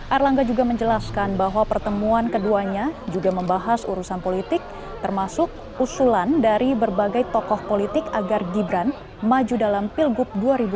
erlangga juga menjelaskan bahwa pertemuan keduanya juga membahas urusan politik termasuk usulan dari berbagai tokoh politik agar gibran maju dalam pilgub dua ribu delapan belas